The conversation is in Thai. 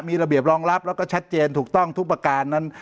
มีระเบียบรองรับแล้วก็ชัดเจนถูกต้องทุกประการนั้น